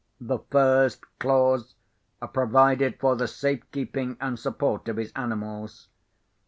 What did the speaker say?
The first clause provided for the safe keeping and support of his animals.